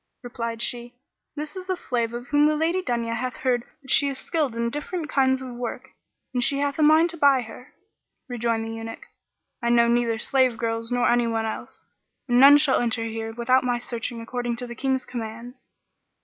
Replied she, "This is a slave girl of whom the Lady Dunya hath heard that she is skilled in different kinds of work and she hath a mind to buy her." Rejoined the Eunuch, "I know neither slave girls nor anyone else; and none shall enter here without my searching according to the King's commands."